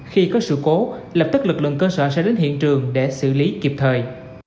khi có sự cố lập tức lực lượng cơ sở sẽ đến hiện trường để xử lý kịp thời